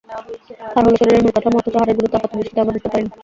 হাড় হলো শরীরের মূল কাঠামো, অথচ হাড়ের গুরুত্ব আপাতদৃষ্টিতে আমরা বুঝতে পারি না।